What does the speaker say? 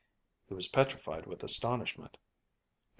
He was petrified with astonishment.